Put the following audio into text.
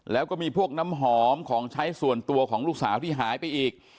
แล้วก็มีพวกน้ำหอมของใช้ส่วนตัวของลูกสาวที่หายไปอีก